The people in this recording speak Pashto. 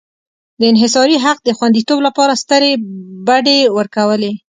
د انحصاري حق د خوندیتوب لپاره سترې بډې ورکولې.